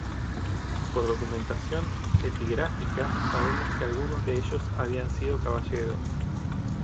Por documentación epigráfica sabemos que algunos de ellos habían sido caballeros.